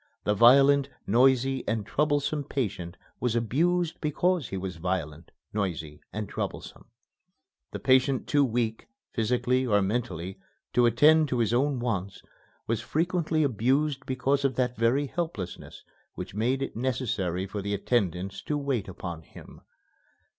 The violent, noisy, and troublesome patient was abused because he was violent, noisy, and troublesome. The patient too weak, physically or mentally, to attend to his own wants was frequently abused because of that very helplessness which made it necessary for the attendants to wait upon him.